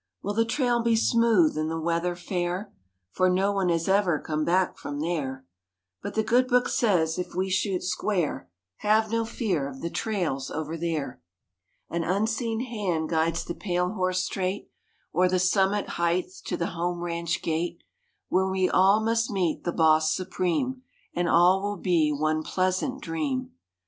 Will the trail be smooth, and the weather fair? (For no one has ever come back from there) But the good book says, if we shoot square, "Have no fear of the trails over there!" An unseen hand guides the pale horse straight, O'er the summit height, to the home ranch gate, Where we all must meet the Boss Supreme, And all will be one pleasant dream.